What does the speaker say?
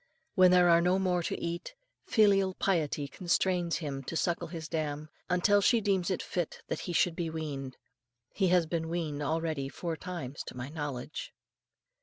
When there are no more to eat, filial piety constrains him to suckle his dam, until she deems it fit that he should be weaned. He has been weaned already four times, to my knowledge.